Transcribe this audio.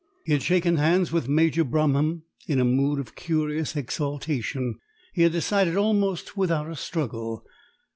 He had shaken hands with Major Bromham in a mood of curious exaltation. He had decided almost without a struggle.